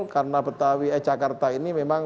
karena betawi ejakarta ini memang